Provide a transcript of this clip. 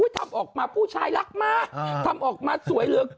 ทำออกมาผู้ชายรักมาทำออกมาสวยเหลือเกิน